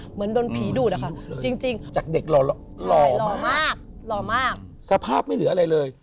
เหมือนโดนผีดูดอะค่ะจริงจากเด็กหล่อมากหล่อมากสภาพไม่เหลืออะไรเลย